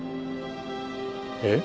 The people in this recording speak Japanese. えっ？